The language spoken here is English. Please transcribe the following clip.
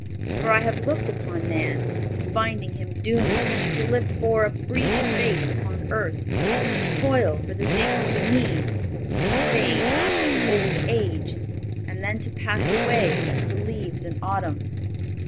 For I have looked upon man, finding him doomed to live for a brief space upon earth, to toil for the things he needs, to fade into old age, and then to pass away as the leaves in autumn.